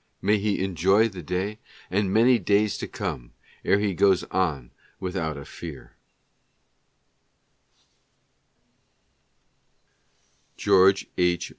May he enjoy the day and mar :o come, ere he goes on without a 1 George H.